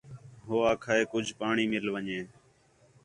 ہو آکھا ہِے کُج پاݨی مِل ون٘ڄے